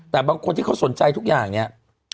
แต่บางคนที่เขาสนใจทุกอย่างเนี่ย